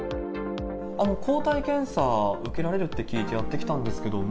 抗体検査受けられるって聞いてやって来たんですけれども。